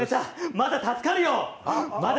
まだ助かるよ！